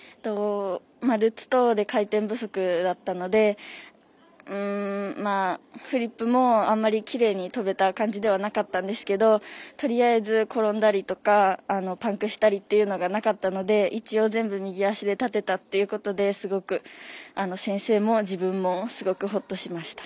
ルッツ、トーで回転不足だったのでフリップもあんまりきれいに跳べた感じではなかったんですけどとりあえず、転んだりとかパンクしたりというのがなかったので一応、全部右足で立てたということで先生も自分もすごくほっとしました。